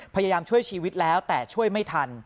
พยายามช่วยชีวิตแล้วแต่ช่วยไม่ทัน